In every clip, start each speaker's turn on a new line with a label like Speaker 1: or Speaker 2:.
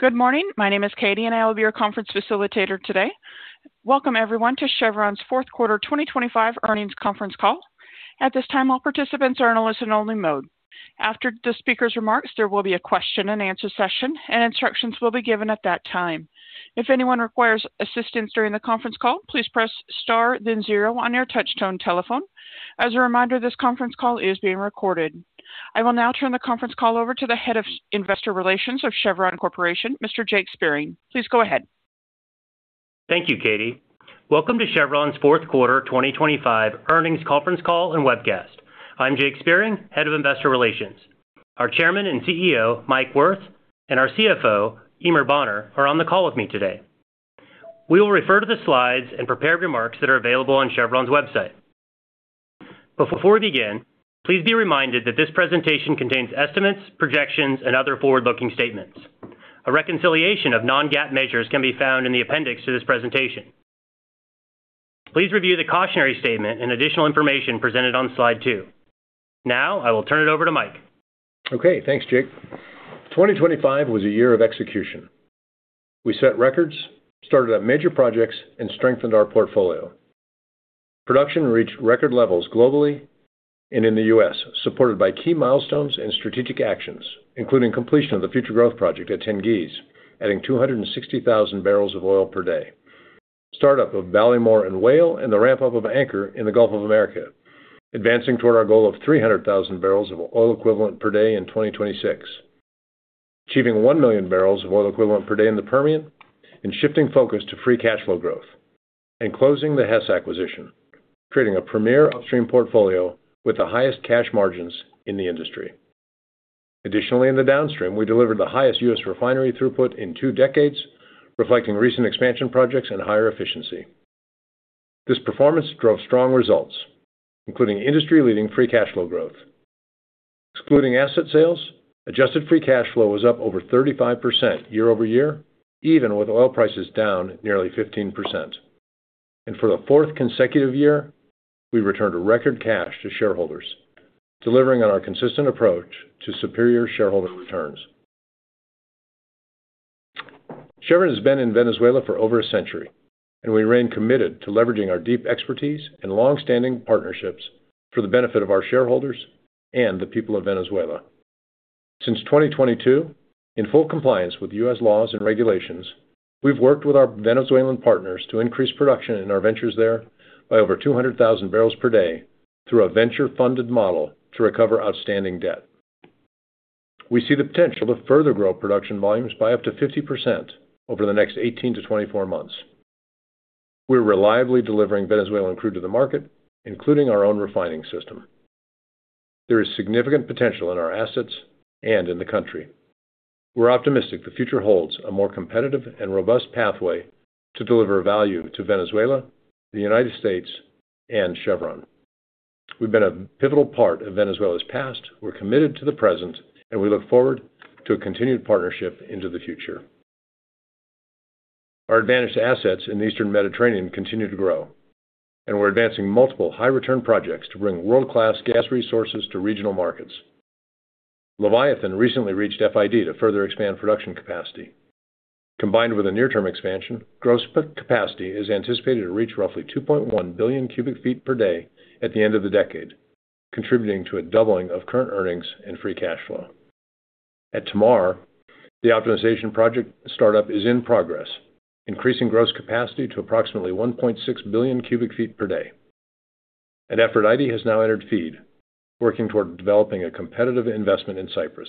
Speaker 1: Good morning. My name is Katie, and I will be your conference facilitator today. Welcome everyone to Chevron's fourth quarter 2025 earnings conference call. At this time, all participants are in a listen-only mode. After the speaker's remarks, there will be a question-and-answer session, and instructions will be given at that time. If anyone requires assistance during the conference call, please press Star, then zero on your touchtone telephone. As a reminder, this conference call is being recorded. I will now turn the conference call over to the Head of Investor Relations of Chevron Corporation, Mr. Jake Spiering. Please go ahead.
Speaker 2: Thank you, Katie. Welcome to Chevron's fourth quarter 2025 earnings conference call and webcast. I'm Jake Spiering, Head of Investor Relations. Our Chairman and CEO, Mike Wirth, and our CFO, Eimear Bonner, are on the call with me today. We will refer to the slides and prepared remarks that are available on Chevron's website. Before we begin, please be reminded that this presentation contains estimates, projections, and other forward-looking statements. A reconciliation of non-GAAP measures can be found in the appendix to this presentation. Please review the cautionary statement and additional information presented on slide 2. Now, I will turn it over to Mike.
Speaker 3: Okay, thanks, Jake. 2025 was a year of execution. We set records, started up major projects, and strengthened our portfolio. Production reached record levels globally and in the U.S., supported by key milestones and strategic actions, including completion of the Future Growth Project at Tengiz, adding 260,000 barrels of oil per day. Startup of Ballymore and Whale, and the ramp-up of Anchor in the Gulf of Mexico, advancing toward our goal of 300,000 barrels of oil equivalent per day in 2026, achieving 1,000,000 barrels of oil equivalent per day in the Permian, and shifting focus to free cash flow growth, and closing the Hess acquisition, creating a premier upstream portfolio with the highest cash margins in the industry. Additionally, in the downstream, we delivered the highest U.S. refinery throughput in two decades, reflecting recent expansion projects and higher efficiency. This performance drove strong results, including industry-leading free cash flow growth. Excluding asset sales, adjusted free cash flow was up over 35% year-over-year, even with oil prices down nearly 15%. For the fourth consecutive year, we returned a record cash to shareholders, delivering on our consistent approach to superior shareholder returns. Chevron has been in Venezuela for over a century, and we remain committed to leveraging our deep expertise and long-standing partnerships for the benefit of our shareholders and the people of Venezuela. Since 2022, in full compliance with U.S. laws and regulations, we've worked with our Venezuelan partners to increase production in our ventures there by over 200,000 barrels per day through a venture-funded model to recover outstanding debt. We see the potential to further grow production volumes by up to 50% over the next 18-24 months. We're reliably delivering Venezuelan crude to the market, including our own refining system. There is significant potential in our assets and in the country. We're optimistic the future holds a more competitive and robust pathway to deliver value to Venezuela, the United States, and Chevron. We've been a pivotal part of Venezuela's past, we're committed to the present, and we look forward to a continued partnership into the future. Our advantage assets in the Eastern Mediterranean continue to grow, and we're advancing multiple high-return projects to bring world-class gas resources to regional markets. Leviathan recently reached FID to further expand production capacity. Combined with a near-term expansion, gross capacity is anticipated to reach roughly 2.1 billion cu ft per day at the end of the decade, contributing to a doubling of current earnings and free cash flow. At Tamar, the optimization project startup is in progress, increasing gross capacity to approximately 1.6 billion cu ft per day. Aphrodite has now entered FEED, working toward developing a competitive investment in Cyprus.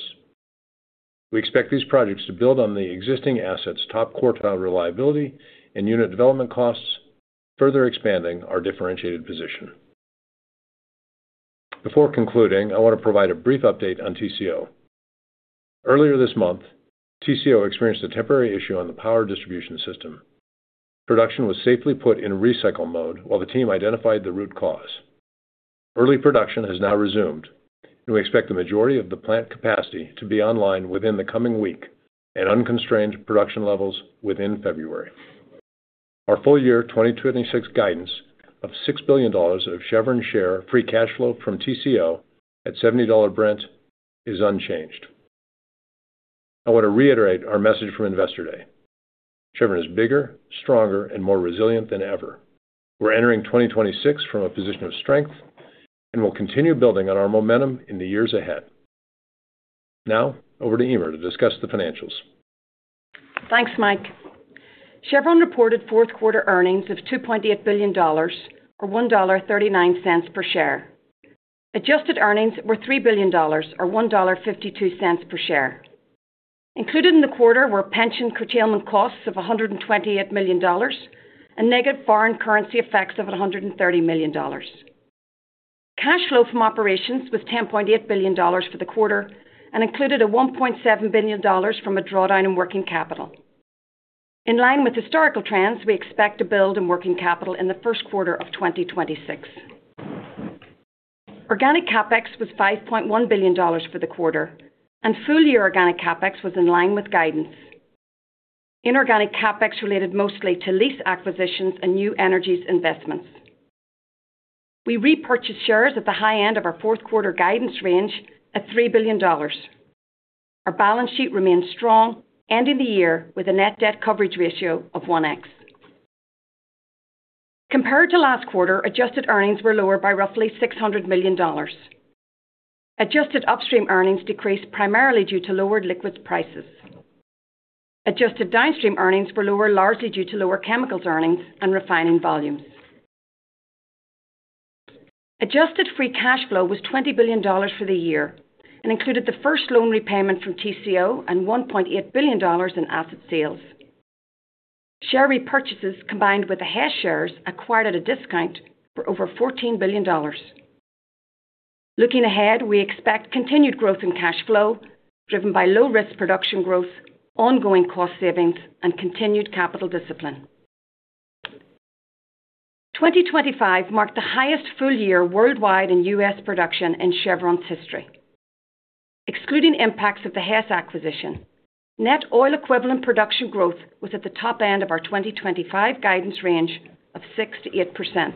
Speaker 3: We expect these projects to build on the existing assets' top-quartile reliability and unit development costs, further expanding our differentiated position. Before concluding, I want to provide a brief update on TCO. Earlier this month, TCO experienced a temporary issue on the power distribution system. Production was safely put in recycle mode while the team identified the root cause. Early production has now resumed, and we expect the majority of the plant capacity to be online within the coming week and unconstrained production levels within February. Our full year 2026 guidance of $6 billion of Chevron share free cash flow from TCO at $70 Brent is unchanged. I want to reiterate our message from Investor Day. Chevron is bigger, stronger, and more resilient than ever. We're entering 2026 from a position of strength, and we'll continue building on our momentum in the years ahead. Now, over to Eimear to discuss the financials.
Speaker 4: Thanks, Mike. Chevron reported fourth quarter earnings of $2.8 billion or $1.39 per share. Adjusted earnings were $3 billion, or $1.52 per share. Included in the quarter were pension curtailment costs of $128 million and negative foreign currency effects of $130 million. Cash flow from operations was $10.8 billion for the quarter and included a $1.7 billion from a drawdown in working capital. In line with historical trends, we expect to build in working capital in the first quarter of 2026. Organic CapEx was $5.1 billion for the quarter, and full-year organic CapEx was in line with guidance. Inorganic CapEx related mostly to lease acquisitions and new energies investments. We repurchased shares at the high end of our fourth quarter guidance range at $3 billion. Our balance sheet remains strong, ending the year with a net debt coverage ratio of 1x. Compared to last quarter, adjusted earnings were lower by roughly $600 million. Adjusted upstream earnings decreased primarily due to lowered liquids prices. Adjusted downstream earnings were lower, largely due to lower chemicals earnings and refining volumes. Adjusted free cash flow was $20 billion for the year and included the first loan repayment from TCO and $1.8 billion in asset sales. Share repurchases, combined with the Hess shares, acquired at a discount for over $14 billion. Looking ahead, we expect continued growth in cash flow, driven by low-risk production growth, ongoing cost savings, and continued capital discipline. 2025 marked the highest full-year worldwide U.S. production in Chevron's history. Excluding impacts of the Hess acquisition, net oil-equivalent production growth was at the top end of our 2025 guidance range of 6%-8%.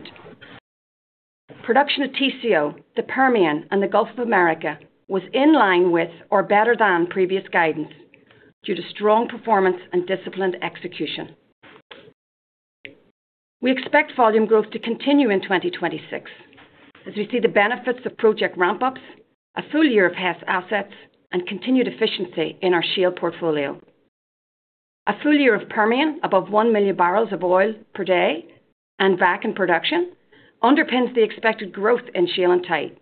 Speaker 4: Production at TCO, the Permian, and the Gulf of Mexico was in line with or better than previous guidance, due to strong performance and disciplined execution. We expect volume growth to continue in 2026, as we see the benefits of project ramp-ups, a full year of Hess assets, and continued efficiency in our shale portfolio. A full year of Permian, above 1 million barrels of oil per day, and Bakken production underpins the expected growth in shale and tight.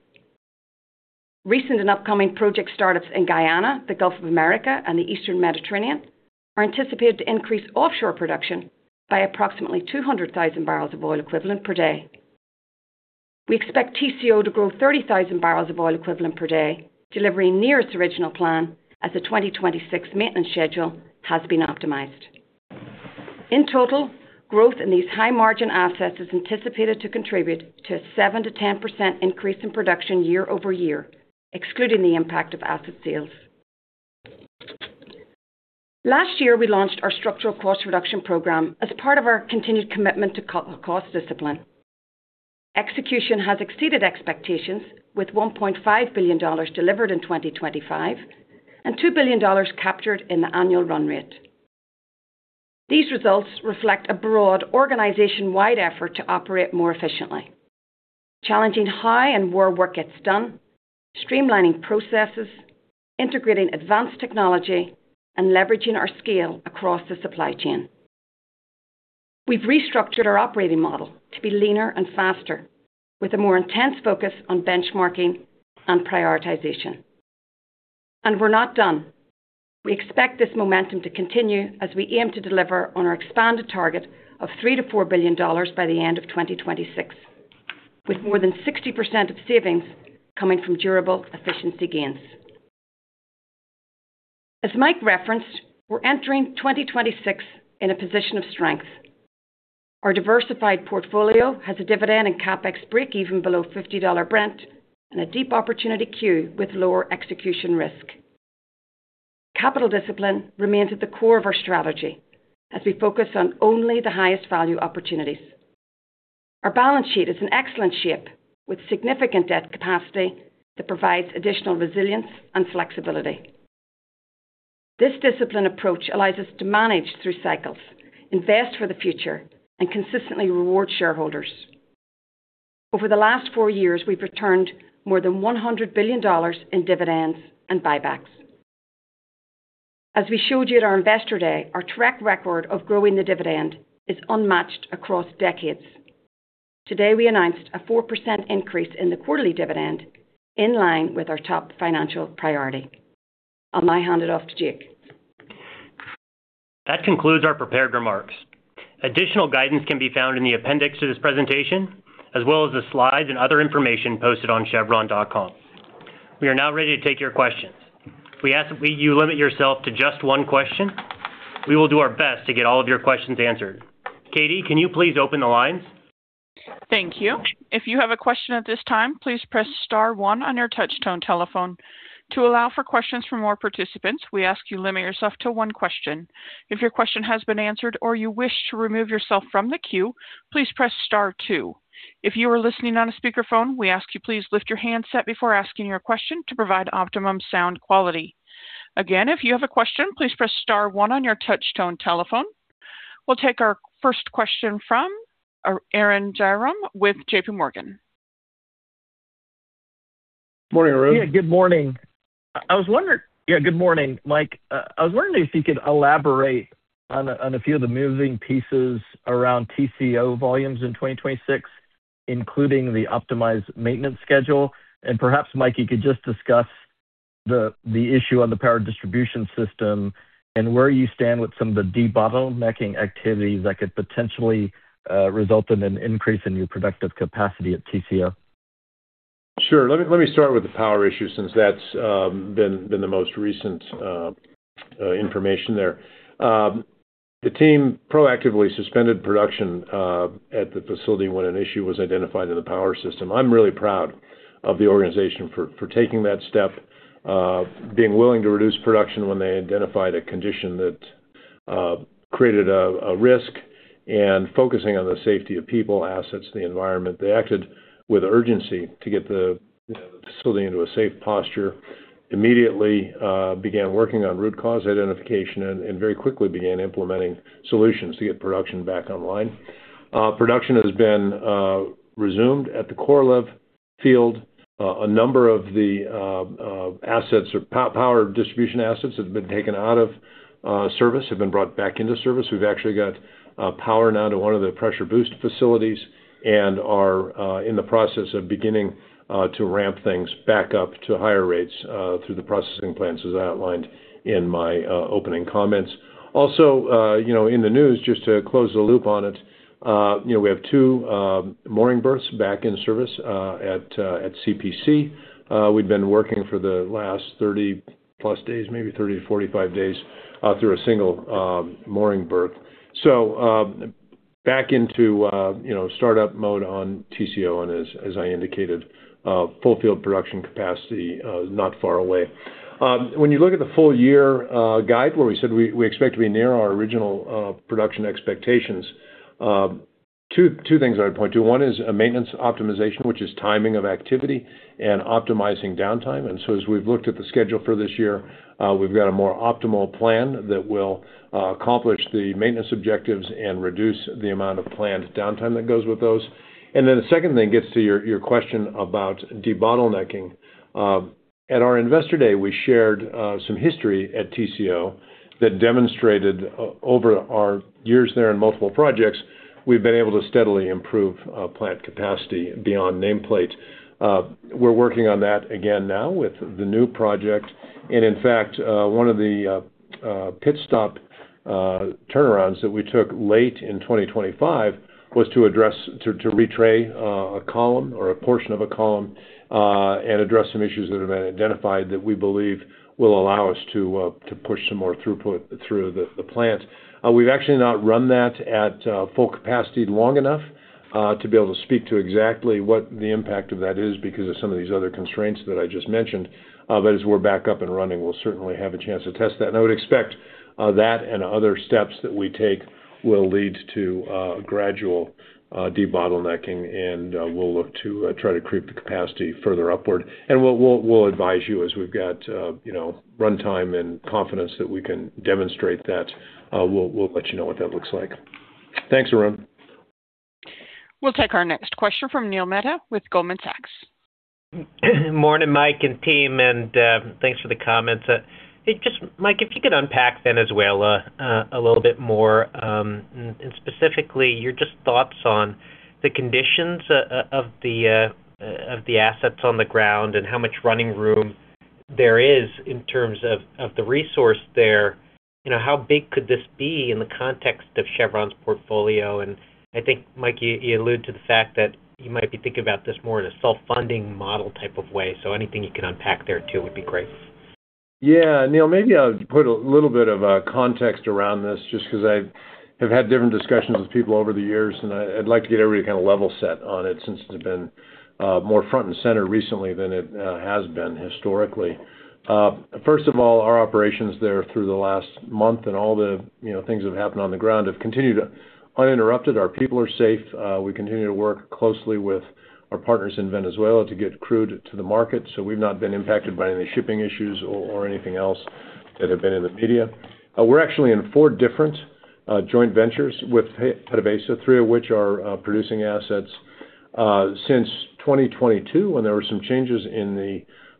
Speaker 4: Recent and upcoming project startups in Guyana, the Gulf of Mexico, and the Eastern Mediterranean are anticipated to increase offshore production by approximately 200,000 barrels of oil equivalent per day. We expect TCO to grow 30,000 barrels of oil equivalent per day, delivering near its original plan as the 2026 maintenance schedule has been optimized. In total, growth in these high-margin assets is anticipated to contribute to a 7%-10% increase in production year-over-year, excluding the impact of asset sales. Last year, we launched our structural cost reduction program as part of our continued commitment to cost discipline. Execution has exceeded expectations, with $1.5 billion delivered in 2025 and $2 billion captured in the annual run rate. These results reflect a broad, organization-wide effort to operate more efficiently, challenging high and more work gets done, streamlining processes, integrating advanced technology, and leveraging our scale across the supply chain. We've restructured our operating model to be leaner and faster, with a more intense focus on benchmarking and prioritization. We're not done. We expect this momentum to continue as we aim to deliver on our expanded target of $3 billion-$4 billion by the end of 2026, with more than 60% of savings coming from durable efficiency gains. As Mike referenced, we're entering 2026 in a position of strength. Our diversified portfolio has a dividend and CapEx break-even below $50 Brent and a deep opportunity queue with lower execution risk. Capital discipline remains at the core of our strategy as we focus on only the highest value opportunities. Our balance sheet is in excellent shape, with significant debt capacity that provides additional resilience and flexibility. This disciplined approach allows us to manage through cycles, invest for the future, and consistently reward shareholders. Over the last four years, we've returned more than $100 billion in dividends and buybacks. As we showed you at our Investor Day, our track record of growing the dividend is unmatched across decades. Today, we announced a 4% increase in the quarterly dividend, in line with our top financial priority. I'll now hand it off to Jake.
Speaker 2: That concludes our prepared remarks. Additional guidance can be found in the appendix to this presentation, as well as the slides and other information posted on Chevron.com. We are now ready to take your questions. We ask that you limit yourself to just one question. We will do our best to get all of your questions answered. Katie, can you please open the lines?
Speaker 1: Thank you. If you have a question at this time, please press star one on your touchtone telephone. To allow for questions from more participants, we ask you limit yourself to one question. If your question has been answered or you wish to remove yourself from the queue, please press star two. If you are listening on a speakerphone, we ask you please lift your handset before asking your question to provide optimum sound quality. Again, if you have a question, please press star one on your touchtone telephone. We'll take our first question from Arun Jayaram with JPMorgan.
Speaker 3: Morning, Arun.
Speaker 5: Yeah, good morning. I was wondering. Yeah, good morning, Mike. I was wondering if you could elaborate on a, on a few of the moving pieces around TCO volumes in 2026, including the optimized maintenance schedule. And perhaps, Mike, you could just discuss the, the issue on the power distribution system and where you stand with some of the debottlenecking activities that could potentially, result in an increase in your productive capacity at TCO.
Speaker 3: Sure. Let me start with the power issue, since that's been the most recent information there. The team proactively suspended production at the facility when an issue was identified in the power system. I'm really proud of the organization for taking that step, being willing to reduce production when they identified a condition that created a risk and focusing on the safety of people, assets, the environment. They acted with urgency to get you know, the facility into a safe posture, immediately began working on root cause identification and very quickly began implementing solutions to get production back online. Production has been resumed at the Tengiz Field. A number of the assets or power distribution assets that have been taken out of service have been brought back into service. We've actually got power now to one of the pressure boost facilities and are in the process of beginning to ramp things back up to higher rates through the processing plants, as I outlined in my opening comments. Also, you know, in the news, just to close the loop on it, you know, we have two mooring berths back in service at CPC. We've been working for the last 30+ days, maybe 30-45 days, through a single mooring berth. So, back into you know, startup mode on TCO, and as I indicated, full field production capacity not far away. When you look at the full-year guide, where we said we expect to be near our original production expectations, two things I would point to. One is a maintenance optimization, which is timing of activity and optimizing downtime. So as we've looked at the schedule for this year, we've got a more optimal plan that will accomplish the maintenance objectives and reduce the amount of planned downtime that goes with those. Then the second thing gets to your question about debottlenecking. At our Investor Day, we shared some history at TCO that demonstrated over our years there in multiple projects, we've been able to steadily improve plant capacity beyond nameplate. We're working on that again now with the new project, and in fact, one of the pit stop turnarounds that we took late in 2025 was to address to re-tray a column or a portion of a column and address some issues that have been identified that we believe will allow us to push some more throughput through the plant. We've actually not run that at full capacity long enough to be able to speak to exactly what the impact of that is because of some of these other constraints that I just mentioned. But as we're back up and running, we'll certainly have a chance to test that. And I would expect that and other steps that we take will lead to gradual debottlenecking, and we'll look to try to creep the capacity further upward. And we'll advise you as we've got, you know, runtime and confidence that we can demonstrate that, we'll let you know what that looks like. Thanks, Arun.
Speaker 1: We'll take our next question from Neil Mehta with Goldman Sachs.
Speaker 6: Morning, Mike and team, and thanks for the comments. Hey, just Mike, if you could unpack Venezuela a little bit more, and specifically, just your thoughts on the conditions of the assets on the ground and how much running room there is in terms of the resource there? You know, how big could this be in the context of Chevron's portfolio? And I think, Mike, you allude to the fact that you might be thinking about this more in a self-funding model type of way. So anything you can unpack there, too, would be great.
Speaker 3: Yeah, Neil, maybe I'll put a little bit of context around this, just because I've had different discussions with people over the years, and I'd like to get everybody kind of level set on it since it's been more front and center recently than it has been historically. First of all, our operations there through the last month and all the, you know, things that have happened on the ground have continued uninterrupted. Our people are safe. We continue to work closely with our partners in Venezuela to get crude to the market, so we've not been impacted by any shipping issues or anything else that has been in the media. We're actually in four different joint ventures with PDVSA, three of which are producing assets. Since 2022, when there were some changes in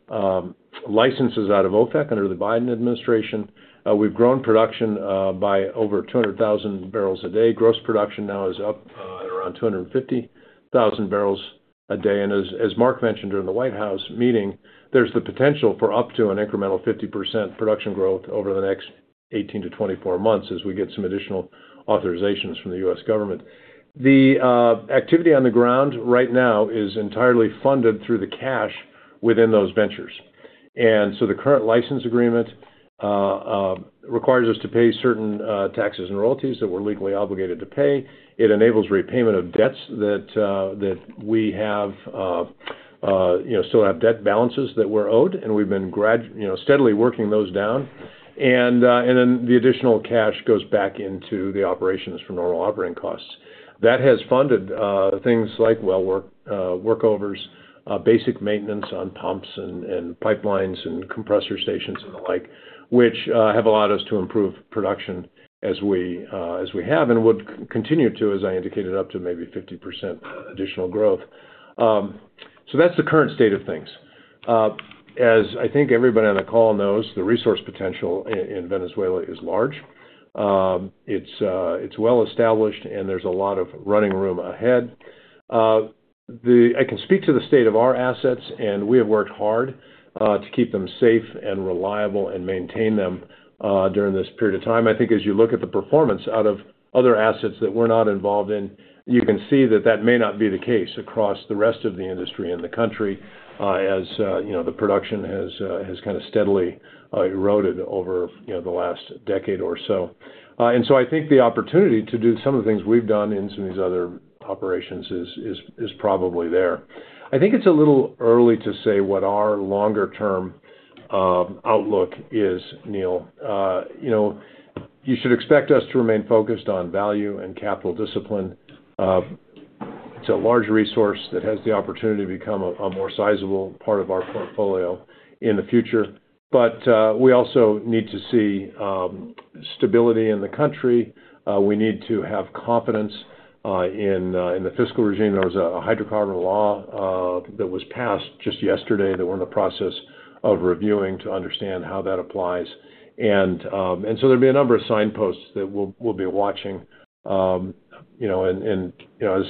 Speaker 3: the licenses out of OPEC under the Biden administration, we've grown production by over 200,000 barrels a day. Gross production now is up at around 250,000 barrels a day. And as Mark mentioned during the White House meeting, there's the potential for up to an incremental 50% production growth over the next 18-24 months as we get some additional authorizations from the U.S. government. The activity on the ground right now is entirely funded through the cash within those ventures. And so the current license agreement requires us to pay certain taxes and royalties that we're legally obligated to pay. It enables repayment of debts that we have, you know, still have debt balances that we're owed, and we've been, you know, steadily working those down. And then the additional cash goes back into the operations for normal operating costs. That has funded things like well work, workovers, basic maintenance on pumps and pipelines and compressor stations and the like, which have allowed us to improve production as we have and would continue to, as I indicated, up to maybe 50% additional growth. So that's the current state of things. As I think everybody on the call knows, the resource potential in Venezuela is large. It's well established, and there's a lot of running room ahead. I can speak to the state of our assets, and we have worked hard to keep them safe and reliable and maintain them during this period of time. I think as you look at the performance out of other assets that we're not involved in, you can see that that may not be the case across the rest of the industry and the country, as you know, the production has kind of steadily eroded over you know, the last decade or so. And so I think the opportunity to do some of the things we've done in some of these other operations is probably there. I think it's a little early to say what our longer-term outlook is, Neil. You know, you should expect us to remain focused on value and capital discipline. It's a large resource that has the opportunity to become a more sizable part of our portfolio in the future. But, we also need to see, stability in the country. We need to have confidence, in the fiscal regime. There was a hydrocarbon law, that was passed just yesterday, that we're in the process of reviewing to understand how that applies. And, and so there'll be a number of signposts that we'll, we'll be watching. You know, and, and, you know, as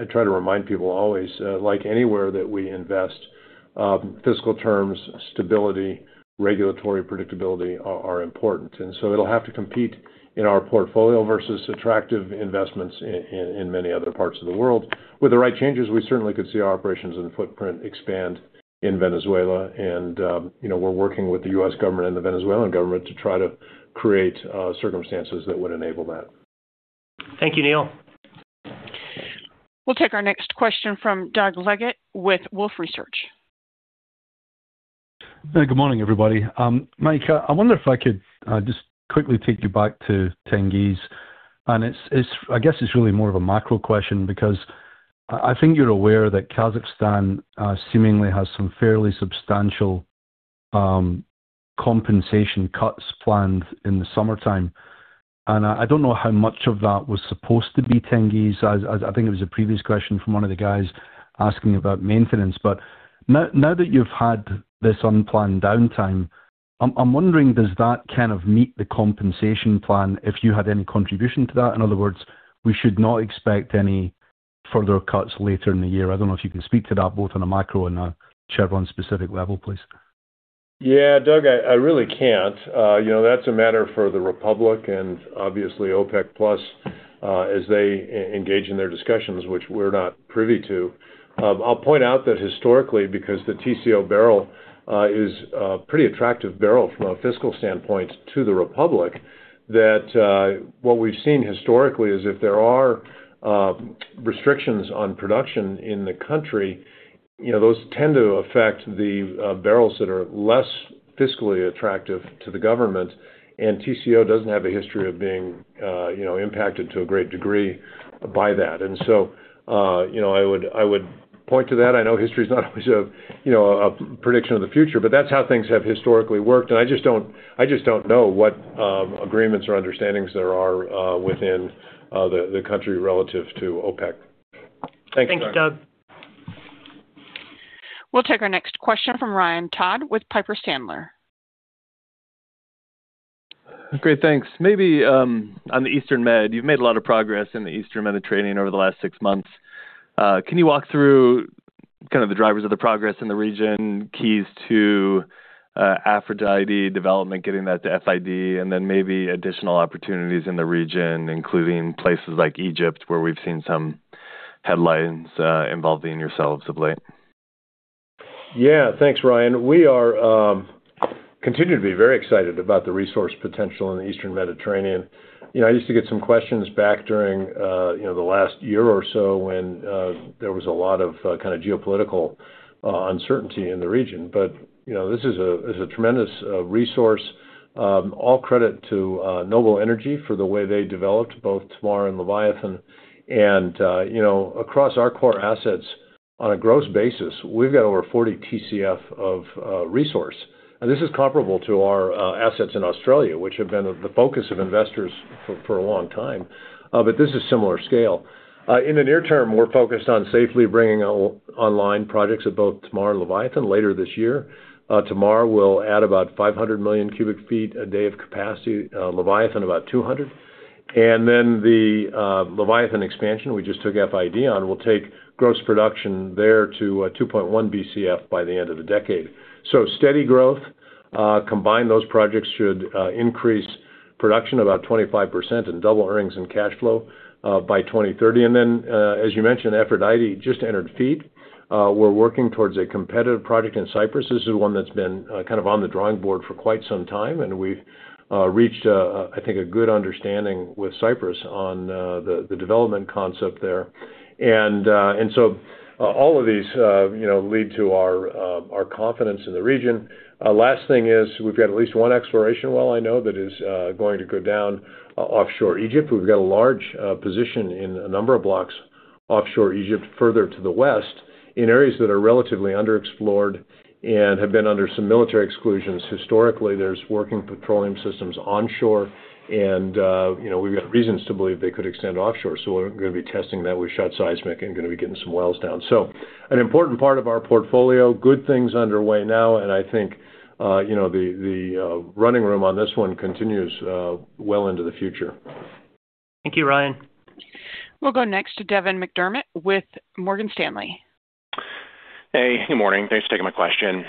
Speaker 3: I try to remind people always, like anywhere that we invest, fiscal terms, stability, regulatory predictability are, are important. And so it'll have to compete in our portfolio versus attractive investments in many other parts of the world. With the right changes, we certainly could see our operations and footprint expand in Venezuela, and, you know, we're working with the U.S. government and the Venezuelan government to try to create circumstances that would enable that.
Speaker 2: Thank you, Neil.
Speaker 1: We'll take our next question from Doug Leggate with Wolfe Research.
Speaker 7: Hey, good morning, everybody. Mike, I wonder if I could just quickly take you back to Tengiz. And it's, it's—I guess, it's really more of a macro question, because I think you're aware that Kazakhstan seemingly has some fairly substantial compensation cuts planned in the summertime. And I don't know how much of that was supposed to be Tengiz. I think it was a previous question from one of the guys asking about maintenance. But now that you've had this unplanned downtime, I'm wondering, does that kind of meet the compensation plan if you had any contribution to that? In other words, we should not expect any further cuts later in the year. I don't know if you can speak to that, both on a macro and a Chevron-specific level, please.
Speaker 3: Yeah, Doug, I really can't. You know, that's a matter for the Republic and obviously, OPEC+, as they engage in their discussions, which we're not privy to. I'll point out that historically, because the TCO barrel is a pretty attractive barrel from a fiscal standpoint to the Republic, that what we've seen historically is if there are restrictions on production in the country, you know, those tend to affect the barrels that are less fiscally attractive to the government, and TCO doesn't have a history of being, you know, impacted to a great degree by that. And so, you know, I would point to that. I know history is not always, you know, a prediction of the future, but that's how things have historically worked, and I just don't, I just don't know what agreements or understandings there are within the country relative to OPEC. Thanks, Doug.
Speaker 2: Thanks, Doug.
Speaker 1: We'll take our next question from Ryan Todd with Piper Sandler.
Speaker 8: Great, thanks. Maybe on the Eastern Med, you've made a lot of progress in the Eastern Mediterranean over the last six months. Can you walk through kind of the drivers of the progress in the region, keys to Aphrodite development, getting that to FID, and then maybe additional opportunities in the region, including places like Egypt, where we've seen some headlines involving yourselves of late?
Speaker 3: Yeah. Thanks, Ryan. We are continue to be very excited about the resource potential in the Eastern Mediterranean. You know, I used to get some questions back during, you know, the last year or so when, there was a lot of, kind of geopolitical, uncertainty in the region. But, you know, this is a, this is a tremendous, resource. All credit to, Noble Energy for the way they developed both Tamar and Leviathan. And, you know, across our core assets, on a gross basis, we've got over 40 TCF of, resource. And this is comparable to our, assets in Australia, which have been the focus of investors for, for a long time, but this is similar scale. In the near term, we're focused on safely bringing online projects at both Tamar and Leviathan later this year. Tamar will add about 500 million cu ft a day of capacity, Leviathan, about 200. And then the Leviathan expansion, we just took FID on, will take gross production there to 2.1 BCF by the end of the decade. So steady growth, combined those projects should increase production about 25% and double earnings and cash flow by 2030. And then, as you mentioned, Aphrodite just entered FEED. We're working towards a competitive project in Cyprus. This is one that's been kind of on the drawing board for quite some time, and we've reached a, I think, a good understanding with Cyprus on the development concept there. And so all of these, you know, lead to our confidence in the region. Last thing is, we've got at least one exploration well, I know, that is going to go down offshore Egypt. We've got a large position in a number of blocks offshore Egypt, further to the west, in areas that are relatively underexplored and have been under some military exclusions. Historically, there's working petroleum systems onshore, and you know, we've got reasons to believe they could extend offshore, so we're gonna be testing that. We've shot seismic and gonna be getting some wells down. So an important part of our portfolio, good things underway now, and I think you know, the running room on this one continues well into the future.
Speaker 2: Thank you, Ryan.
Speaker 1: We'll go next to Devin McDermott with Morgan Stanley.
Speaker 9: Hey, good morning. Thanks for taking my question.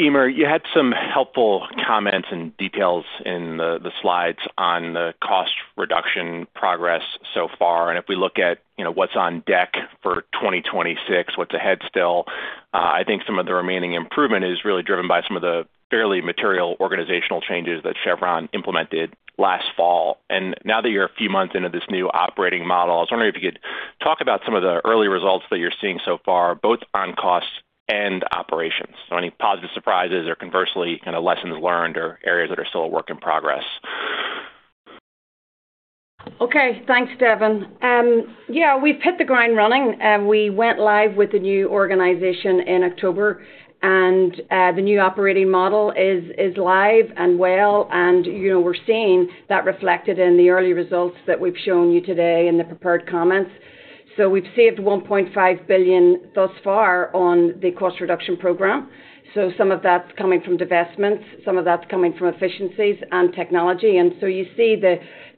Speaker 9: Eimear, you had some helpful comments and details in the slides on the cost reduction progress so far. And if we look at, you know, what's on deck for 2026, what's ahead still, I think some of the remaining improvement is really driven by some of the fairly material organizational changes that Chevron implemented last fall. And now that you're a few months into this new operating model, I was wondering if you could talk about some of the early results that you're seeing so far, both on costs and operations. So any positive surprises or conversely, kind of lessons learned or areas that are still a work in progress?
Speaker 4: Okay, thanks, Devin. Yeah, we've hit the ground running, and we went live with the new organization in October, and the new operating model is live and well. And, you know, we're seeing that reflected in the early results that we've shown you today in the prepared comments. So we've saved $1.5 billion thus far on the cost reduction program. So some of that's coming from divestments, some of that's coming from efficiencies and technology. And so you see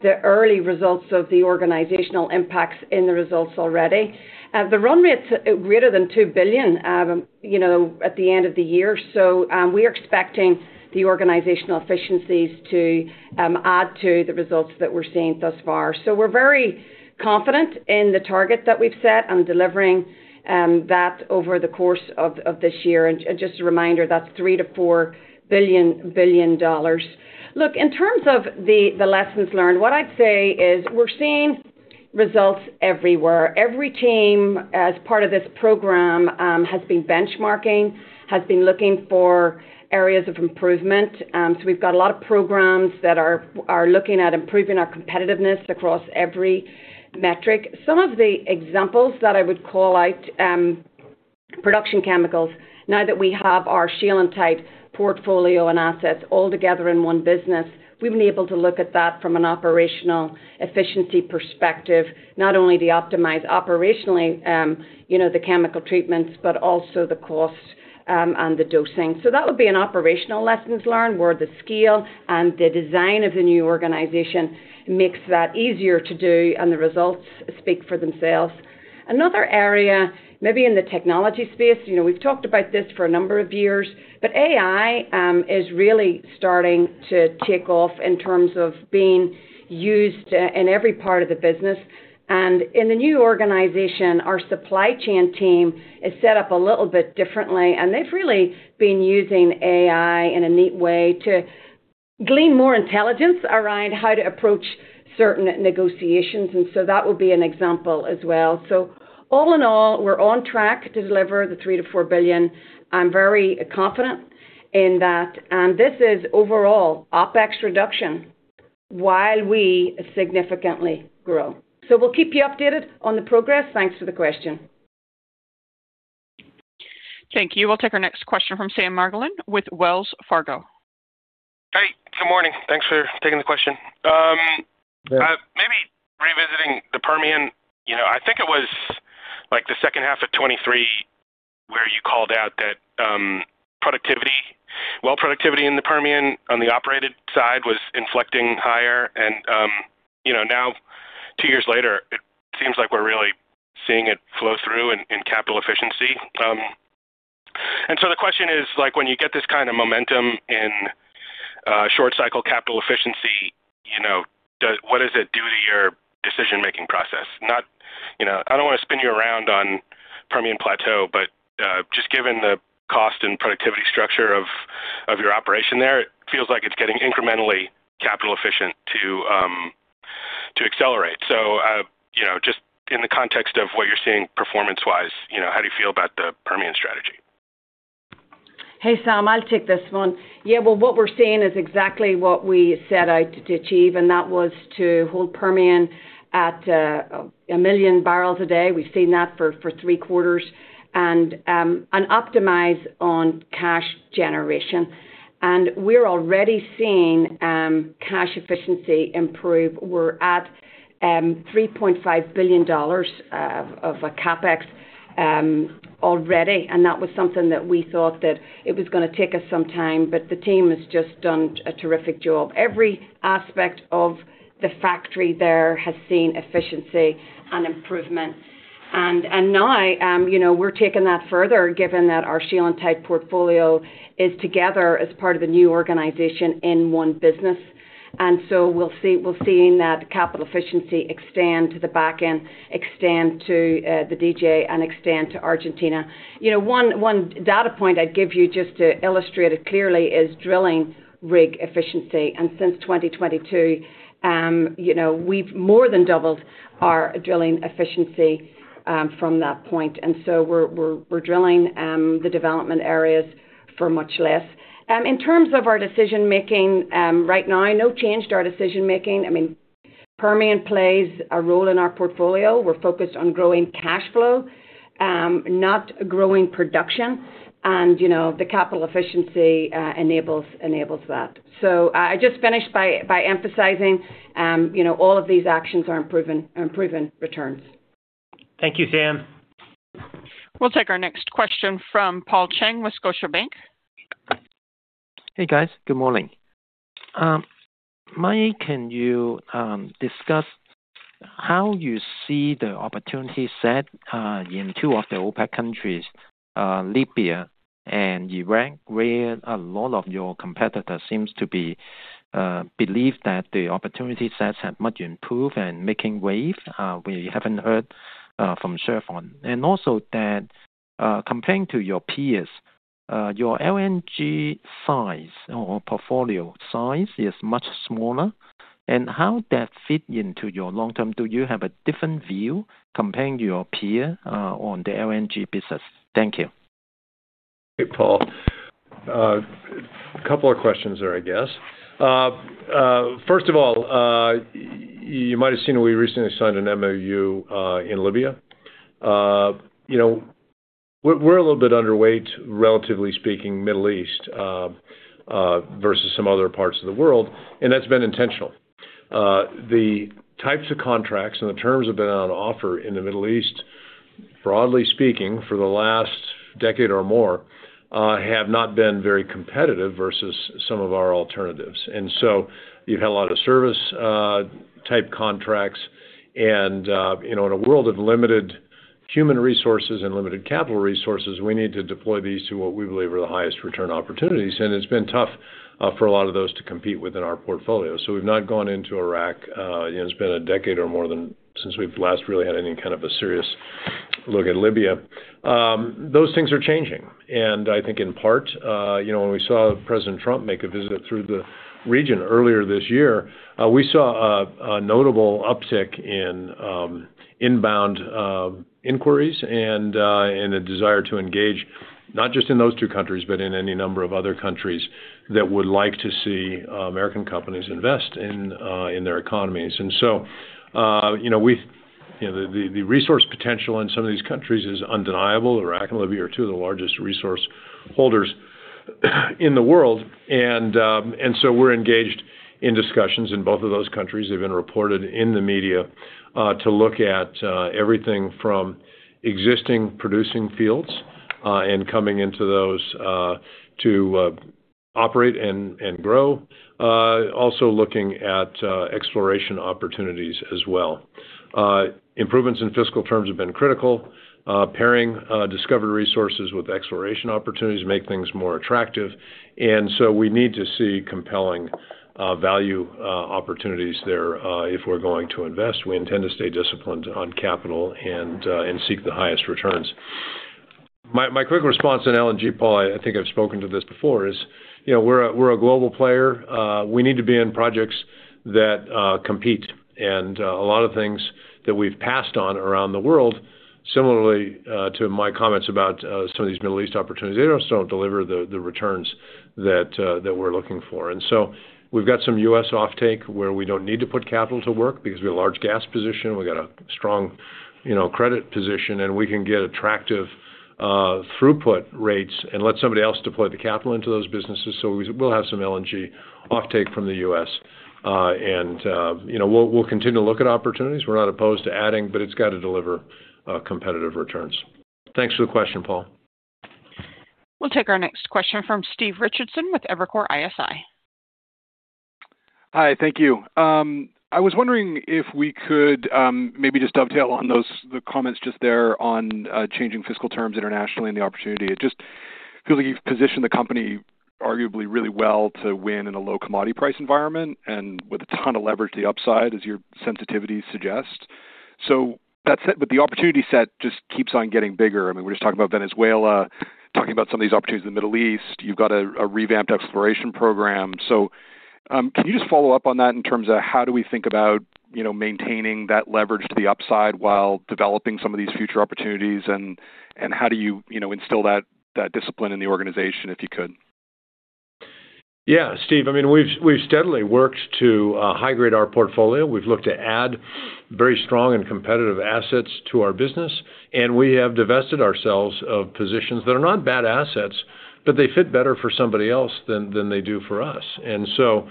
Speaker 4: the early results of the organizational impacts in the results already. The run rate's greater than $2 billion, you know, at the end of the year. So we are expecting the organizational efficiencies to add to the results that we're seeing thus far. So we're very confident in the target that we've set on delivering that over the course of this year. Just a reminder, that's $3 billion-$4 billion. Look, in terms of the lessons learned, what I'd say is we're seeing results everywhere. Every team, as part of this program, has been benchmarking, has been looking for areas of improvement. So we've got a lot of programs that are looking at improving our competitiveness across every metric. Some of the examples that I would call out, production chemicals. Now that we have our shale and tight portfolio and assets all together in one business, we've been able to look at that from an operational efficiency perspective. Not only to optimize operationally, you know, the chemical treatments, but also the cost and the dosing. So that would be an operational lessons learned, where the scale and the design of the new organization makes that easier to do, and the results speak for themselves. Another area, maybe in the technology space, you know, we've talked about this for a number of years, but AI is really starting to take off in terms of being used in every part of the business. And in the new organization, our supply chain team is set up a little bit differently, and they've really been using AI in a neat way to glean more intelligence around how to approach certain negotiations. And so that would be an example as well. So all in all, we're on track to deliver the $3 billion-$4 billion. I'm very confident in that. And this is overall OpEx reduction while we significantly grow. So we'll keep you updated on the progress. Thanks for the question.
Speaker 1: Thank you. We'll take our next question from Sam Margolin with Wells Fargo.
Speaker 10: Hey, good morning. Thanks for taking the question. Maybe revisiting the Permian, you know, I think it was like the second half of 2023, where you called out that, productivity-- well, productivity in the Permian on the operated side was inflecting higher. And, you know, now, two years later, it seems like we're really seeing it flow through in capital efficiency. And so the question is, like, when you get this kind of momentum in short cycle capital efficiency, you know, does-- what does it do to your decision-making process? Not. You know, I don't want to spin you around on Permian Plateau, but, just given the cost and productivity structure of your operation there, it feels like it's getting incrementally capital efficient to accelerate. You know, just in the context of what you're seeing performance-wise, you know, how do you feel about the Permian strategy?
Speaker 4: Hey, Sam, I'll take this one. Yeah, well, what we're seeing is exactly what we set out to achieve, and that was to hold Permian at 1 million barrels a day. We've seen that for three quarters and optimize on cash generation. We're already seeing cash efficiency improve. We're at $3.5 billion of CapEx already, and that was something that we thought that it was gonna take us some time, but the team has just done a terrific job. Every aspect of the factory there has seen efficiency and improvement. Now, you know, we're taking that further, given that our shale and tight portfolio is together as part of a new organization in one business. And so we'll see, we're seeing that capital efficiency extend to the back end, extend to the DJ and extend to Argentina. You know, one data point I'd give you just to illustrate it clearly is drilling rig efficiency. And since 2022, you know, we've more than doubled our drilling efficiency from that point. And so we're drilling the development areas for much less. In terms of our decision-making, right now, no change to our decision-making. I mean, Permian plays a role in our portfolio. We're focused on growing cash flow, not growing production, and, you know, the capital efficiency enables that. So I just finished by emphasizing, you know, all of these actions are improving returns.
Speaker 2: Thank you, Sam.
Speaker 1: We'll take our next question from Paul Cheng with Scotiabank.
Speaker 11: Hey, guys. Good morning. Mike, can you discuss how you see the opportunity set in two of the OPEC countries, Libya and Iraq, where a lot of your competitors seems to be believe that the opportunity sets have much improved and making waves? We haven't heard from Chevron. And also that, comparing to your peers, your LNG size or portfolio size is much smaller, and how that fit into your long term? Do you have a different view comparing your peer on the LNG business? Thank you.
Speaker 3: Hey, Paul. A couple of questions there, I guess. First of all, you might have seen we recently signed an MOU in Libya. You know, we're a little bit underweight, relatively speaking, Middle East versus some other parts of the world, and that's been intentional. The types of contracts and the terms have been on offer in the Middle East, broadly speaking, for the last decade or more, have not been very competitive versus some of our alternatives. And so you've had a lot of service type contracts, and, you know, in a world of limited human resources and limited capital resources, we need to deploy these to what we believe are the highest return opportunities, and it's been tough for a lot of those to compete within our portfolio. So we've not gone into Iraq. You know, it's been a decade or more than since we've last really had any kind of a serious look at Libya. Those things are changing, and I think in part, you know, when we saw President Trump make a visit through the region earlier this year, we saw a notable uptick in inbound inquiries and a desire to engage, not just in those two countries, but in any number of other countries that would like to see American companies invest in their economies. And so, you know, we, you know, the resource potential in some of these countries is undeniable. Iraq and Libya are two of the largest resource holders in the world. So we're engaged in discussions in both of those countries. They've been reported in the media to look at everything from existing producing fields and coming into those to operate and grow. Also looking at exploration opportunities as well. Improvements in fiscal terms have been critical, pairing discovery resources with exploration opportunities to make things more attractive. And so we need to see compelling value opportunities there if we're going to invest. We intend to stay disciplined on capital and seek the highest returns. My quick response on LNG, Paul, I think I've spoken to this before. You know, we're a global player. We need to be in projects that compete, and a lot of things that we've passed on around the world, similarly to my comments about some of these Middle East opportunities, they just don't deliver the returns that we're looking for. And so we've got some U.S. offtake where we don't need to put capital to work because we have a large gas position, we've got a strong, you know, credit position, and we can get attractive throughput rates and let somebody else deploy the capital into those businesses. So we'll have some LNG offtake from the U.S. And you know, we'll continue to look at opportunities. We're not opposed to adding, but it's got to deliver competitive returns. Thanks for the question, Paul.
Speaker 1: We'll take our next question from Stephen Richardson with Evercore ISI.
Speaker 12: Hi, thank you. I was wondering if we could maybe just dovetail on those, the comments just there on changing fiscal terms internationally and the opportunity. It just feel like you've positioned the company arguably really well to win in a low commodity price environment and with a ton of leverage to the upside, as your sensitivities suggest. So that said, but the opportunity set just keeps on getting bigger. I mean, we're just talking about Venezuela, talking about some of these opportunities in the Middle East. You've got a revamped exploration program. So, can you just follow up on that in terms of how do we think about, you know, maintaining that leverage to the upside while developing some of these future opportunities? And how do you, you know, instill that discipline in the organization, if you could?
Speaker 3: Yeah, Steve, I mean, we've steadily worked to high-grade our portfolio. We've looked to add very strong and competitive assets to our business, and we have divested ourselves of positions that are not bad assets, but they fit better for somebody else than they do for us. And so,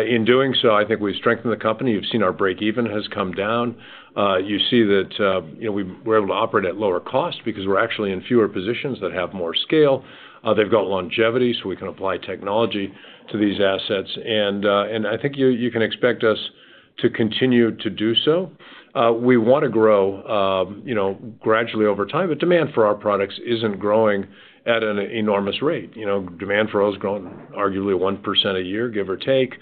Speaker 3: in doing so, I think we've strengthened the company. You've seen our break-even has come down. You see that, you know, we've, we're able to operate at lower cost because we're actually in fewer positions that have more scale. They've got longevity, so we can apply technology to these assets. And, and I think you can expect us to continue to do so. We want to grow, you know, gradually over time, but demand for our products isn't growing at an enormous rate. You know, demand for oil is growing arguably 1% a year, give or take.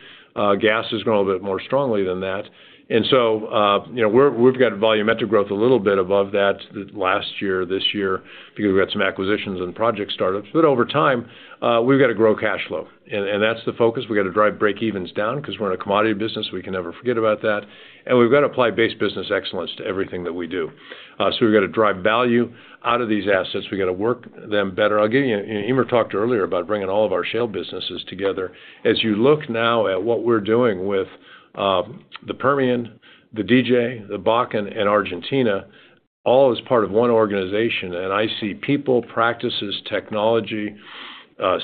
Speaker 3: Gas is growing a bit more strongly than that. And so, you know, we're—we've got volumetric growth a little bit above that last year, this year, because we've had some acquisitions and project startups. But over time, we've got to grow cash flow, and that's the focus. We've got to drive break evens down because we're in a commodity business, we can never forget about that. And we've got to apply base business excellence to everything that we do. So we've got to drive value out of these assets. We've got to work them better. I'll give you. Eimear talked earlier about bringing all of our shale businesses together. As you look now at what we're doing with the Permian, the DJ, the Bakken, and Argentina, all as part of one organization, and I see people, practices, technology,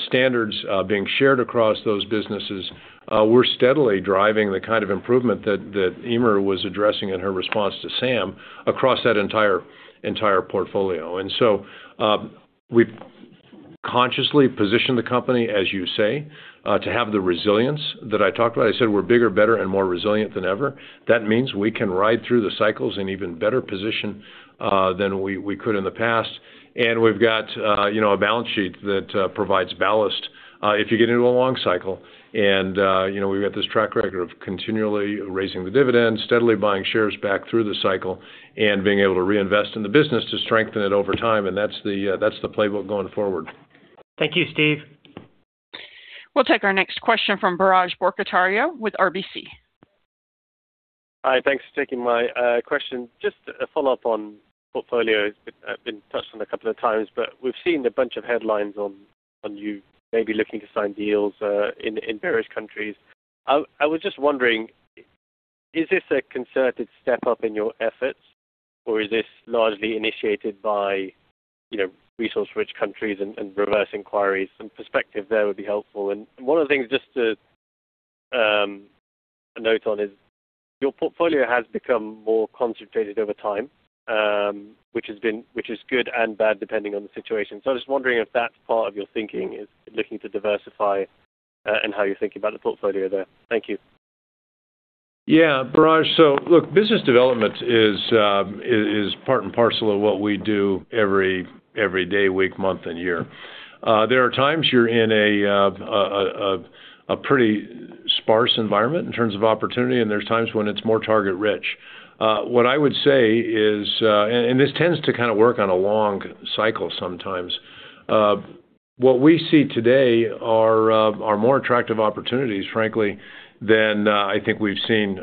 Speaker 3: standards being shared across those businesses, we're steadily driving the kind of improvement that Eimear was addressing in her response to Sam across that entire portfolio. And so, we've consciously positioned the company, as you say, to have the resilience that I talked about. I said we're bigger, better, and more resilient than ever. That means we can ride through the cycles in even better position than we could in the past. And we've got, you know, a balance sheet that provides ballast if you get into a long cycle. You know, we've got this track record of continually raising the dividend, steadily buying shares back through the cycle, and being able to reinvest in the business to strengthen it over time, and that's the playbook going forward.
Speaker 2: Thank you, Steve.
Speaker 1: We'll take our next question from Biraj Borkhataria with RBC.
Speaker 13: Hi, thanks for taking my question. Just a follow-up on portfolios that have been touched on a couple of times, but we've seen a bunch of headlines on you maybe looking to sign deals in various countries. I was just wondering, is this a concerted step up in your efforts, or is this largely initiated by, you know, resource-rich countries and reverse inquiries? Some perspective there would be helpful. And one of the things just to note on is your portfolio has become more concentrated over time, which is good and bad, depending on the situation. So I'm just wondering if that's part of your thinking, is looking to diversify, and how you're thinking about the portfolio there. Thank you.
Speaker 3: Yeah, Biraj. So look, business development is part and parcel of what we do every day, week, month, and year. There are times you're in a pretty sparse environment in terms of opportunity, and there's times when it's more target rich. What I would say is, and this tends to kind of work on a long cycle sometimes. What we see today are more attractive opportunities, frankly, than I think we've seen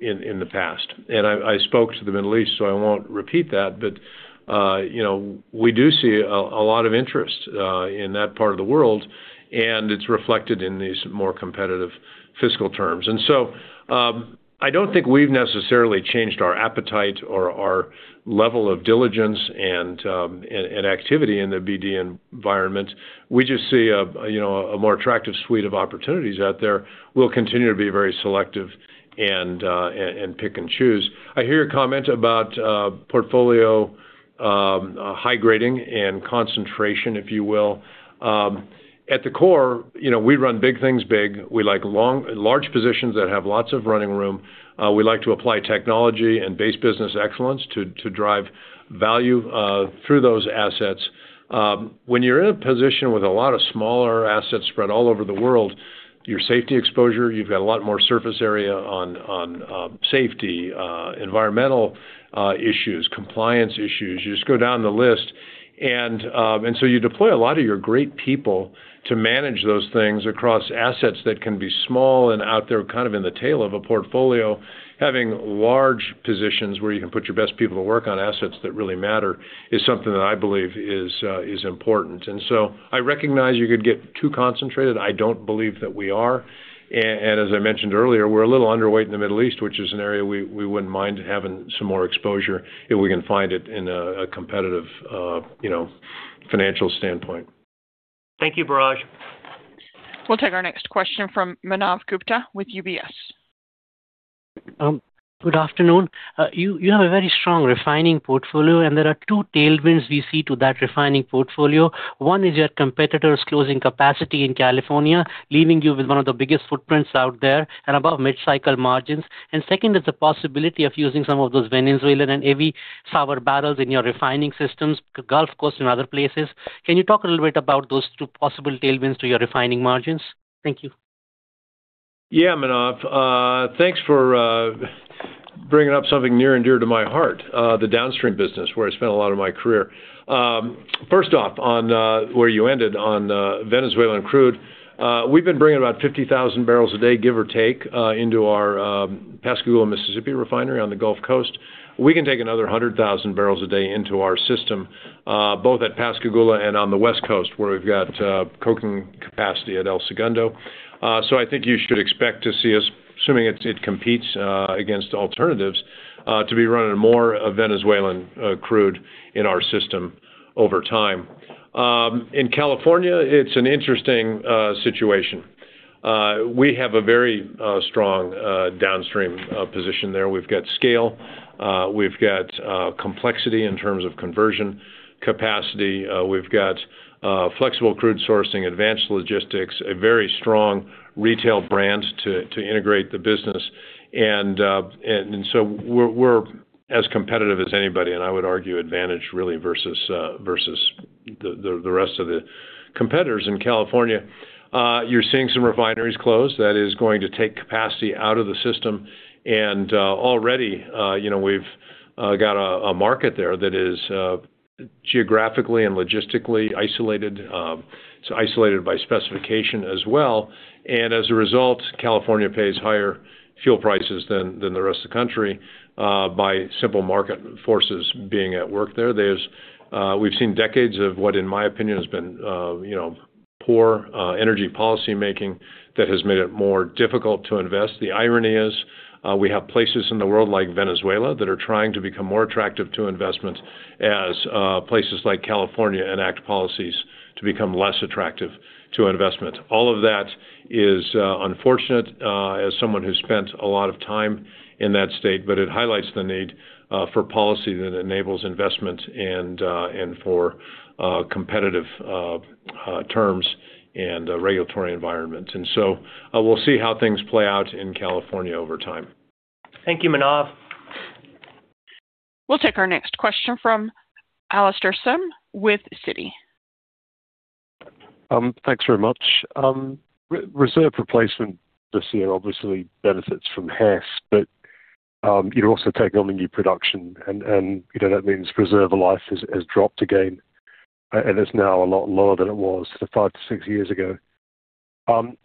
Speaker 3: in the past. And I spoke to the Middle East, so I won't repeat that. But you know, we do see a lot of interest in that part of the world, and it's reflected in these more competitive fiscal terms. And so, I don't think we've necessarily changed our appetite or our level of diligence and activity in the BD environment. We just see a, you know, a more attractive suite of opportunities out there. We'll continue to be very selective and pick and choose. I hear your comment about portfolio high grading and concentration, if you will. At the core, you know, we run big things big. We like long, large positions that have lots of running room. We like to apply technology and base business excellence to drive value through those assets. When you're in a position with a lot of smaller assets spread all over the world, your safety exposure, you've got a lot more surface area on safety, environmental issues, compliance issues. You just go down the list and, and so you deploy a lot of your great people to manage those things across assets that can be small and out there, kind of in the tail of a portfolio. Having large positions where you can put your best people to work on assets that really matter, is something that I believe is important. And so I recognize you could get too concentrated. I don't believe that we are. And as I mentioned earlier, we're a little underweight in the Middle East, which is an area we, we wouldn't mind having some more exposure if we can find it in a competitive, you know, financial standpoint.
Speaker 2: Thank you, Biraj.
Speaker 1: We'll take our next question from Manav Gupta with UBS.
Speaker 14: Good afternoon. You have a very strong refining portfolio, and there are two tailwinds we see to that refining portfolio. One is your competitors closing capacity in California, leaving you with one of the biggest footprints out there and above mid-cycle margins. Second is the possibility of using some of those Venezuelan and heavy sour barrels in your refining systems, Gulf Coast and other places. Can you talk a little bit about those two possible tailwinds to your refining margins? Thank you.
Speaker 3: Yeah, Manav. Thanks for bringing up something near and dear to my heart, the downstream business, where I spent a lot of my career. First off, on where you ended on, Venezuelan crude. We've been bringing about 50,000 barrels a day, give or take, into our Pascagoula, Mississippi, refinery on the Gulf Coast. We can take another 100,000 barrels a day into our system, both at Pascagoula and on the West Coast, where we've got coking capacity at El Segundo. So I think you should expect to see us, assuming it competes against alternatives, to be running more of Venezuelan crude in our system over time. In California, it's an interesting situation. We have a very strong downstream position there. We've got scale, we've got complexity in terms of conversion capacity. We've got flexible crude sourcing, advanced logistics, a very strong retail brand to integrate the business. And so we're as competitive as anybody, and I would argue advantage really versus the rest of the competitors in California. You're seeing some refineries close that is going to take capacity out of the system. And already, you know, we've got a market there that is geographically and logistically isolated, it's isolated by specification as well. And as a result, California pays higher fuel prices than the rest of the country by simple market forces being at work there. We've seen decades of what, in my opinion, has been, you know, poor energy policymaking that has made it more difficult to invest. The irony is, we have places in the world like Venezuela that are trying to become more attractive to investment, as places like California enact policies to become less attractive to investment. All of that is unfortunate, as someone who's spent a lot of time in that state, but it highlights the need for policy that enables investment and for competitive terms and a regulatory environment. And so, we'll see how things play out in California over time.
Speaker 2: Thank you, Manav.
Speaker 1: We'll take our next question from Alastair Syme with Citi.
Speaker 15: Thanks very much. Reserve replacement this year obviously benefits from Hess, but you're also taking on the new production and, you know, that means reserve life has dropped again, and it's now a lot lower than it was 5-6 years ago. You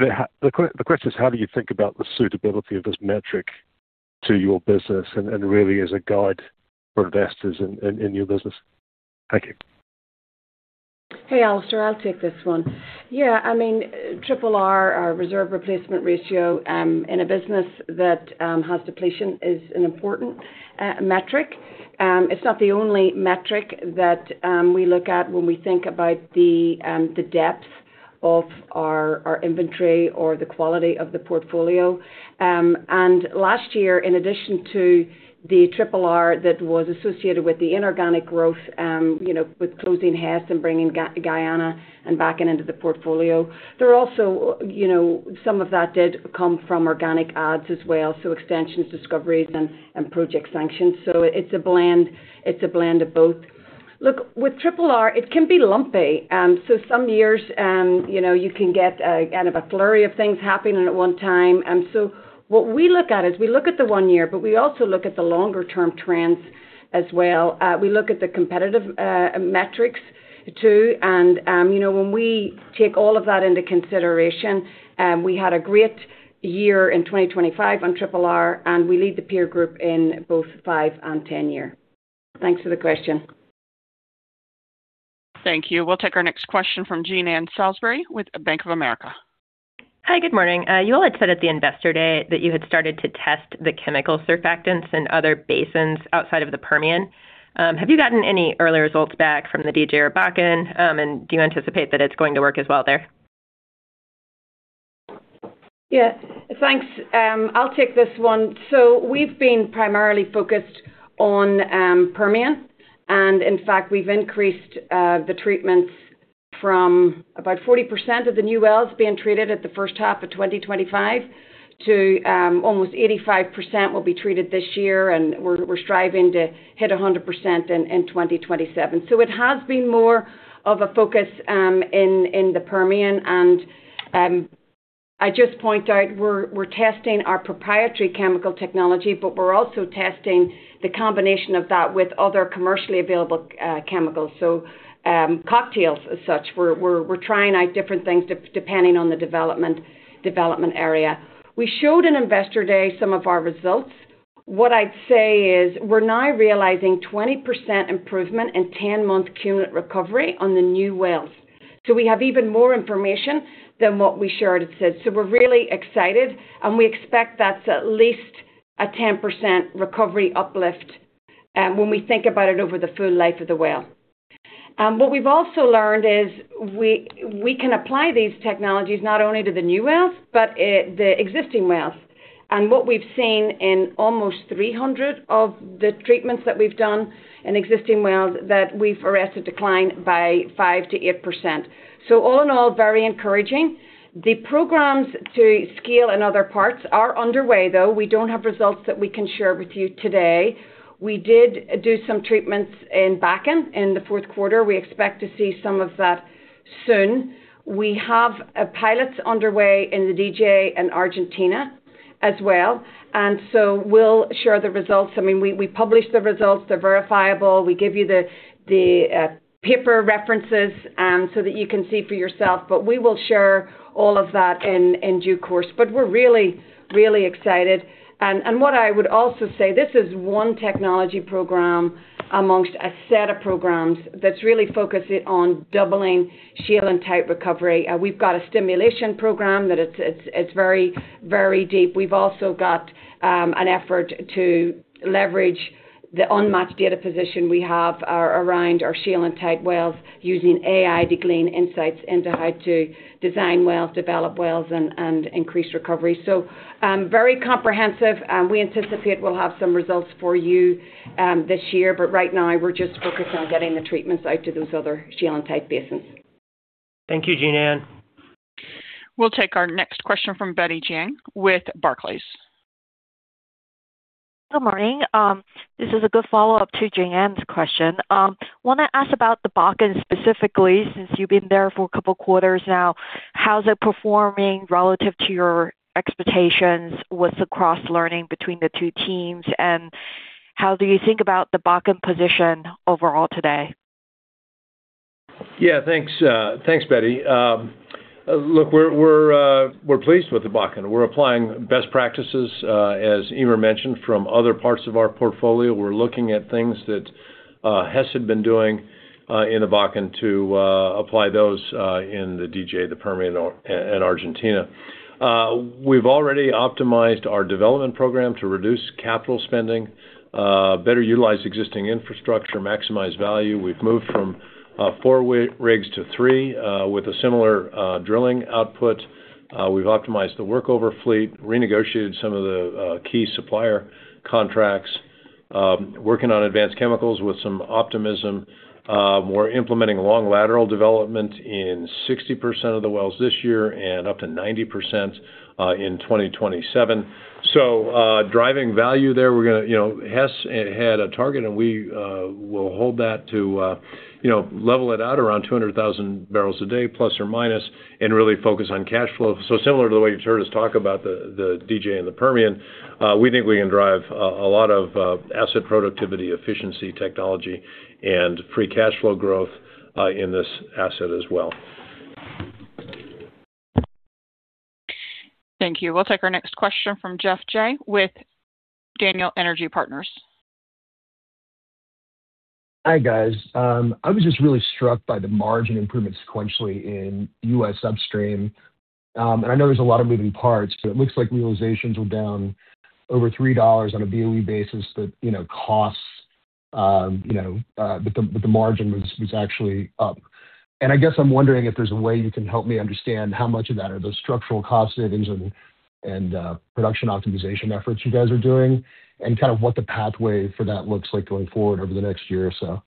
Speaker 15: know, the question is, how do you think about the suitability of this metric to your business and really as a guide for investors in your business? Thank you.
Speaker 4: Hey, Alastair, I'll take this one. Yeah, I mean, Triple R, our reserve replacement ratio, in a business that has depletion, is an important metric. It's not the only metric that we look at when we think about the depth of our inventory or the quality of the portfolio. And last year, in addition to the Triple R that was associated with the inorganic growth, you know, with closing Hess and bringing Guyana and Bakken into the portfolio, there are also, you know, some of that did come from organic adds as well, so extensions, discoveries, and project sanctions. So it's a blend, it's a blend of both. Look, with Triple R, it can be lumpy. So some years, you know, you can get kind of a flurry of things happening at one time. And so what we look at is we look at the 1-year, but we also look at the longer term trends as well. We look at the competitive metrics, too. And, you know, when we take all of that into consideration, we had a great year in 2025 on Triple R, and we lead the peer group in both 5-year and 10-year. Thanks for the question.
Speaker 1: Thank you. We'll take our next question from Jean Ann Salisbury, with Bank of America.
Speaker 16: Hi, good morning. You all had said at the Investor Day that you had started to test the chemical surfactants in other basins outside of the Permian. Have you gotten any early results back from the DJ or Bakken? And do you anticipate that it's going to work as well there?
Speaker 4: Yeah. Thanks, I'll take this one. So we've been primarily focused on Permian, and in fact, we've increased the treatments from about 40% of the new wells being treated at the first half of 2025 to almost 85% will be treated this year, and we're striving to hit 100% in 2027. So it has been more of a focus in the Permian. And I just point out, we're testing our proprietary chemical technology, but we're also testing the combination of that with other commercially available chemicals. So, cocktails as such. We're trying out different things depending on the development area. We showed in Investor Day some of our results. What I'd say is, we're now realizing 20% improvement in 10-month cumulative recovery on the new wells. So we have even more information than what we shared at SID. So we're really excited, and we expect that's at least a 10% recovery uplift, when we think about it over the full life of the well. What we've also learned is we, we can apply these technologies not only to the new wells, but, the existing wells. And what we've seen in almost 300 of the treatments that we've done in existing wells, that we've arrested decline by 5%-8%. So all in all, very encouraging. The programs to scale in other parts are underway, though we don't have results that we can share with you today. We did do some treatments in Bakken in the fourth quarter. We expect to see some of that soon. We have pilots underway in the DJ and Argentina as well, and so we'll share the results. I mean, we publish the results, they're verifiable. We give you the paper references, so that you can see for yourself, but we will share all of that in due course. But we're really, really excited. What I would also say, this is one technology program amongst a set of programs that's really focusing on doubling shale and tight recovery. We've got a stimulation program that it's very, very deep. We've also got an effort to leverage the unmatched data position we have around our shale and tight wells, using AI to glean insights into how to design wells, develop wells, and increase recovery. So, very comprehensive. We anticipate we'll have some results for you this year, but right now, we're just focused on getting the treatments out to those other shale and tight basins.
Speaker 2: Thank you, Jean Ann.
Speaker 1: We'll take our next question from Betty Jiang with Barclays.
Speaker 17: Good morning. This is a good follow-up to Jean Ann's question. Wanna ask about the Bakken, specifically, since you've been there for a couple quarters now. How's it performing relative to your expectations? What's the cross-learning between the two teams, and how do you think about the Bakken position overall today?
Speaker 3: Yeah, thanks, Betty. Look, we're pleased with the Bakken. We're applying best practices, as Eimear mentioned, from other parts of our portfolio. We're looking at things that Hess had been doing in the Bakken to apply those in the DJ, the Permian, and Argentina. We've already optimized our development program to reduce capital spending, better utilize existing infrastructure, maximize value. We've moved from 4 rigs to 3 with a similar drilling output. We've optimized the workover fleet, renegotiated some of the key supplier contracts, working on advanced chemicals with some optimism. We're implementing long lateral development in 60% of the wells this year and up to 90% in 2027. So, driving value there, we're gonna, you know, Hess had a target, and we will hold that to, you know, level it out around 200,000 barrels a day, plus or minus, and really focus on cash flow. So similar to the way you've heard us talk about the, the DJ and the Permian, we think we can drive a, a lot of, asset productivity, efficiency, technology, and free cash flow growth, in this asset as well.
Speaker 1: Thank you. We'll take our next question from Geoff Jay with Daniel Energy Partners.
Speaker 18: Hi, guys. I was just really struck by the margin improvement sequentially in U.S. Upstream. And I know there's a lot of moving parts, but it looks like realizations were down over $3 on a BOE basis, but, you know, costs, you know, but the margin was actually up. And I guess I'm wondering if there's a way you can help me understand how much of that are those structural cost savings and production optimization efforts you guys are doing, and kind of what the pathway for that looks like going forward over the next year or so?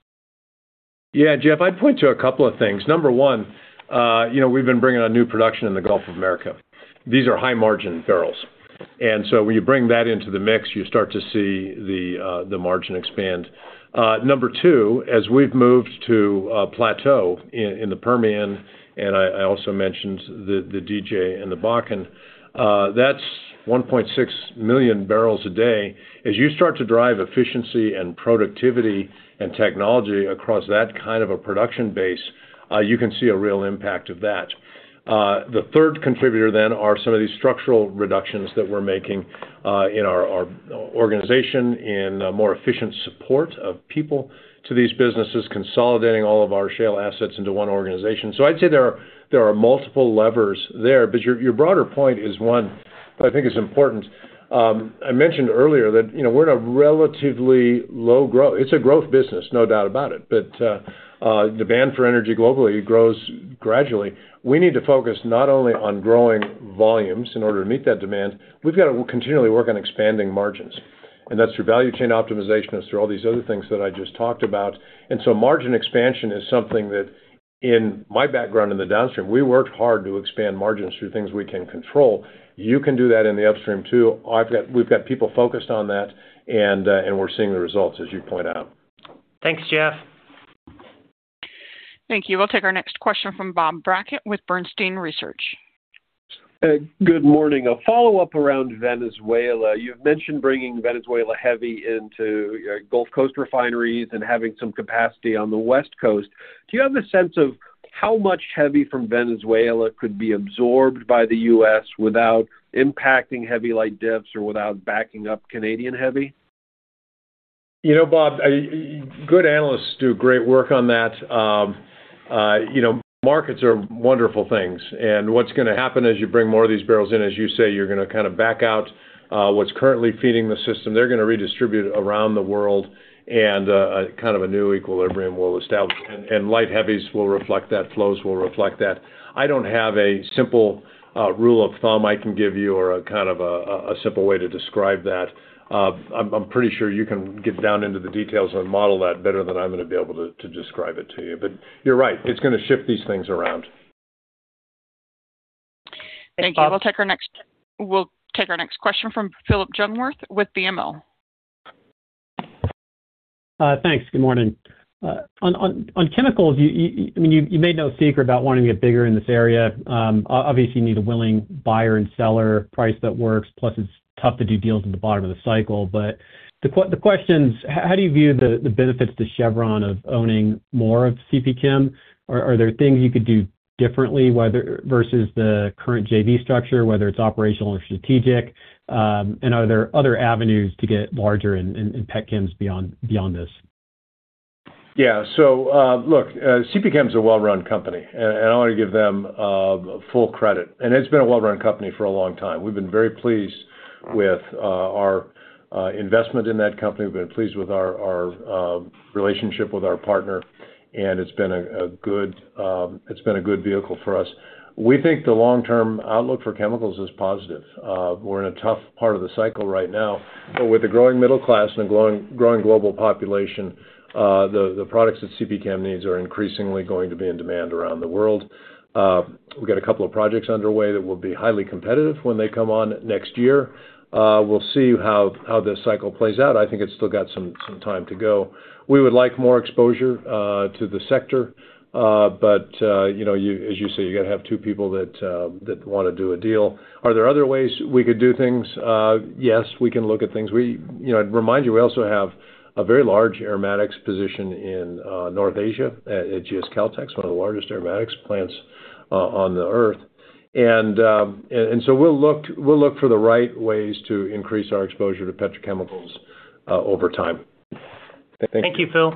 Speaker 3: Yeah, Geoff, I'd point to a couple of things. Number one, you know, we've been bringing on new production in the Gulf of Mexico. These are high-margin barrels. And so when you bring that into the mix, you start to see the margin expand. Number two, as we've moved to plateau in the Permian, and I also mentioned the DJ and the Bakken, that's 1.6 million barrels a day. As you start to drive efficiency and productivity and technology across that kind of a production base, you can see a real impact of that. The third contributor then are some of these structural reductions that we're making in our organization, in more efficient support of people to these businesses, consolidating all of our shale assets into one organization. So I'd say there are multiple levers there, but your broader point is one that I think is important. I mentioned earlier that, you know, we're in a relatively low growth—it's a growth business, no doubt about it, but demand for energy globally grows gradually. We need to focus not only on growing volumes in order to meet that demand, we've got to continually work on expanding margins, and that's through value chain optimization, it's through all these other things that I just talked about. And so margin expansion is something that in my background, in the downstream, we worked hard to expand margins through things we can control. You can do that in the upstream, too. We've got people focused on that, and we're seeing the results, as you point out.
Speaker 2: Thanks, Geoff.
Speaker 1: Thank you. We'll take our next question from Bob Brackett with Bernstein Research.
Speaker 19: Good morning. A follow-up around Venezuela. You've mentioned bringing Venezuela heavy into your Gulf Coast refineries and having some capacity on the West Coast. Do you have a sense of how much heavy from Venezuela could be absorbed by the U.S. without impacting heavy-light spreads or without backing up Canadian heavy?
Speaker 3: You know, Bob, good analysts do great work on that. You know, markets are wonderful things, and what's gonna happen as you bring more of these barrels in, as you say, you're gonna kind of back out what's currently feeding the system. They're gonna redistribute around the world and kind of a new equilibrium will establish, and light heavies will reflect that, flows will reflect that. I don't have a simple rule of thumb I can give you or a kind of a simple way to describe that. I'm pretty sure you can get down into the details and model that better than I'm gonna be able to describe it to you. But you're right, it's gonna shift these things around.
Speaker 2: Thanks, Bob.
Speaker 1: Thank you. We'll take our next question from Phillip Jungwirth with BMO.
Speaker 20: Thanks. Good morning. On chemicals, I mean, you made no secret about wanting to get bigger in this area. Obviously, you need a willing buyer and seller, price that works, plus it's tough to do deals in the bottom of the cycle. But the question, how do you view the benefits to Chevron of owning more of CPChem? Are there things you could do differently, whether versus the current JV structure, whether it's operational or strategic? And are there other avenues to get larger in pet chems beyond this?
Speaker 3: Yeah. So, look, CPChem is a well-run company, and I wanna give them full credit, and it's been a well-run company for a long time. We've been very pleased with our investment in that company. We've been pleased with our relationship with our partner, and it's been a good vehicle for us. We think the long-term outlook for chemicals is positive. We're in a tough part of the cycle right now, but with the growing middle class and a growing global population, the products that CPChem needs are increasingly going to be in demand around the world. We've got a couple of projects underway that will be highly competitive when they come on next year. We'll see how this cycle plays out. I think it's still got some time to go. We would like more exposure to the sector, but you know, as you say, you gotta have two people that wanna do a deal. Are there other ways we could do things? Yes, we can look at things. You know, I'd remind you, we also have a very large aromatics position in North Asia, at GS Caltex, one of the largest aromatics plants on the Earth. And so we'll look for the right ways to increase our exposure to petrochemicals over time.
Speaker 2: Thank you, Phil.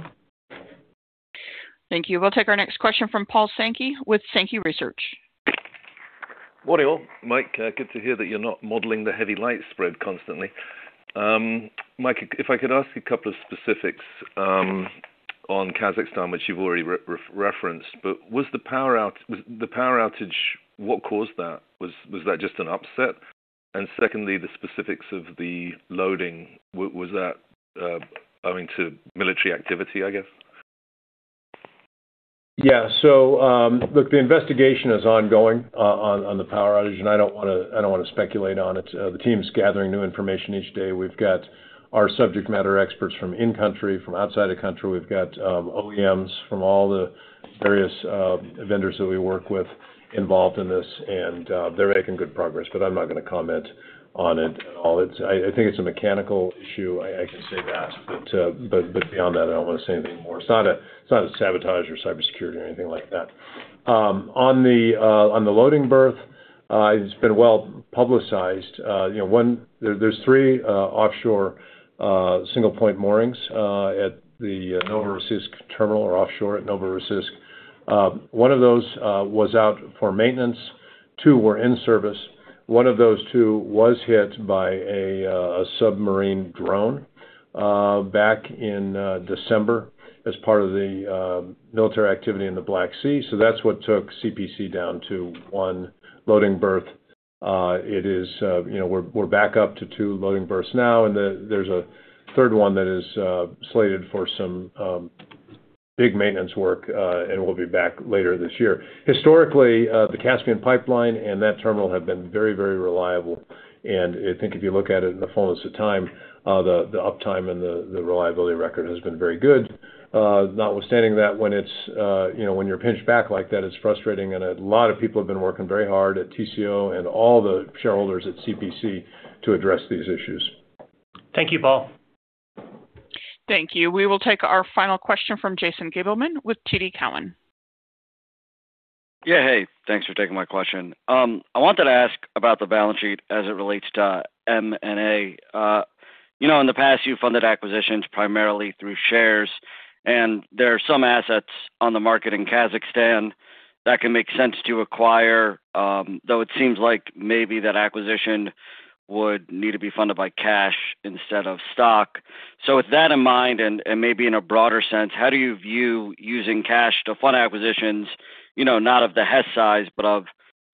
Speaker 1: Thank you. We'll take our next question from Paul Sankey with Sankey Research.
Speaker 21: Morning, all. Mike, good to hear that you're not modeling the heavy light spread constantly. Mike, if I could ask a couple of specifics on Kazakhstan, which you've already referenced, but was the power outage, what caused that? Was that just an upset? And secondly, the specifics of the loading, was that owing to military activity, I guess?
Speaker 3: Yeah. So, look, the investigation is ongoing, on the power outage, and I don't wanna, I don't wanna speculate on it. The team's gathering new information each day. We've got our subject matter experts from in-country, from outside the country. We've got OEMs from all the various vendors that we work with involved in this, and they're making good progress, but I'm not gonna comment on it at all. It's I think it's a mechanical issue, I can say that, but, but beyond that, I don't wanna say anything more. It's not a sabotage or cybersecurity or anything like that. On the loading berth, it's been well-publicized. You know, there, there's three offshore single point moorings at the Novorossiysk terminal or offshore at Novorossiysk. One of those was out for maintenance, two were in service. One of those two was hit by a submarine drone back in December as part of the military activity in the Black Sea. So that's what took CPC down to one loading berth. It is, you know, we're back up to two loading berths now, and there's a third one that is slated for some big maintenance work and will be back later this year. Historically, the Caspian Pipeline and that terminal have been very, very reliable, and I think if you look at it in the fullness of time, the uptime and the reliability record has been very good. Notwithstanding that, when it's, you know, when you're pinched back like that, it's frustrating, and a lot of people have been working very hard at TCO and all the shareholders at CPC to address these issues.
Speaker 2: Thank you, Paul.
Speaker 1: Thank you. We will take our final question from Jason Gabelman with TD Cowen.
Speaker 22: Yeah, hey, thanks for taking my question. I wanted to ask about the balance sheet as it relates to M&A. You know, in the past, you funded acquisitions primarily through shares, and there are some assets on the market in Kazakhstan that can make sense to acquire, though it seems like maybe that acquisition would need to be funded by cash instead of stock. So with that in mind, and maybe in a broader sense, how do you view using cash to fund acquisitions, you know, not of the Hess size, but of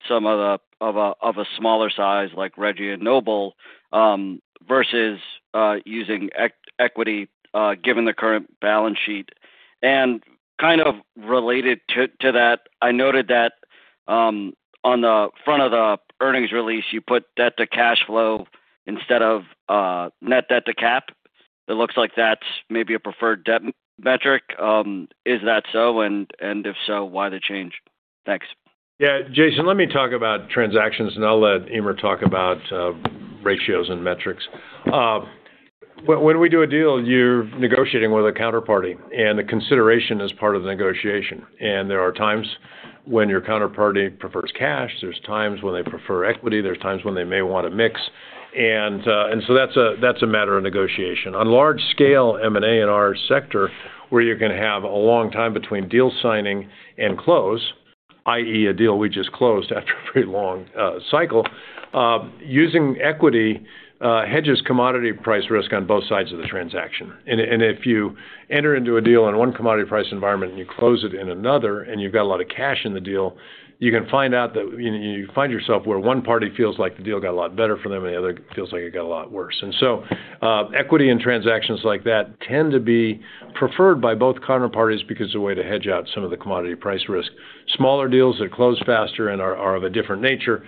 Speaker 22: some of a smaller size, like Hess and Noble, versus using equity, given the current balance sheet? Kind of related to that, I noted that on the front of the earnings release, you put debt to cash flow instead of net debt to capital. It looks like that's maybe a preferred debt metric. Is that so, and if so, why the change? Thanks.
Speaker 3: Yeah, Jason, let me talk about transactions, and I'll let Eimear talk about ratios and metrics. When, when we do a deal, you're negotiating with a counterparty, and the consideration is part of the negotiation. And there are times when your counterparty prefers cash, there's times when they prefer equity, there's times when they may want a mix. And, and so that's a, that's a matter of negotiation. On large scale, M&A in our sector, where you're gonna have a long time between deal signing and close, i.e., a deal we just closed after a very long cycle, using equity, hedges commodity price risk on both sides of the transaction. And if you enter into a deal in one commodity price environment, and you close it in another, and you've got a lot of cash in the deal, you can find out that you find yourself where one party feels like the deal got a lot better for them, and the other feels like it got a lot worse. And so equity and transactions like that tend to be preferred by both counterparties because it's a way to hedge out some of the commodity price risk. Smaller deals that close faster and are of a different nature,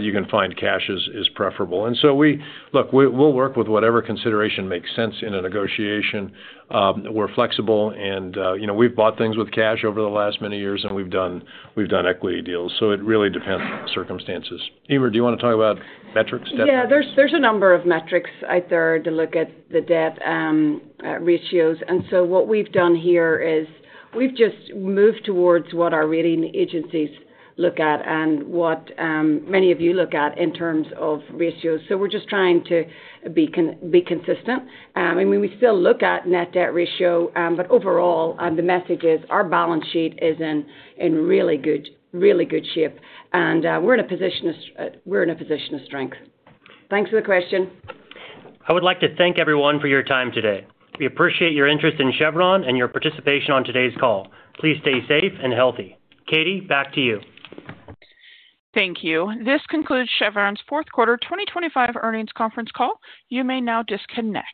Speaker 3: you can find cash is preferable. And so we look, we'll work with whatever consideration makes sense in a negotiation. We're flexible, and, you know, we've bought things with cash over the last many years, and we've done equity deals, so it really depends on the circumstances. Eimear, do you wanna talk about metrics, debt-
Speaker 4: Yeah, there's a number of metrics out there to look at the debt ratios. And so what we've done here is we've just moved towards what our rating agencies look at and what many of you look at in terms of ratios. So we're just trying to be consistent. And we still look at net debt ratio, but overall, the message is our balance sheet is in really good shape, and we're in a position of strength. Thanks for the question.
Speaker 2: I would like to thank everyone for your time today. We appreciate your interest in Chevron and your participation on today's call. Please stay safe and healthy. Katie, back to you.
Speaker 1: Thank you. This concludes Chevron's fourth quarter 2025 earnings conference call. You may now disconnect.